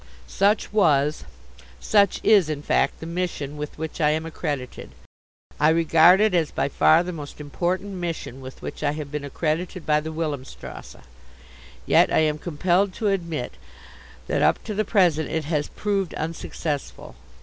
Such was, such is, in fact, the mission with which I am accredited. I regard it as by far the most important mission with which I have been accredited by the Wilhelmstrasse. Yet I am compelled to admit that up to the present it has proved unsuccessful.